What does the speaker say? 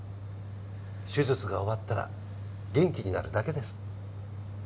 手術が終わったら元気になるだけです。